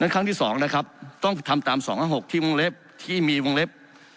ครั้งที่๒ต้องทำตาม๒๖๖ที่มีวงเล็บ